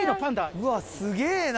うわすげぇな。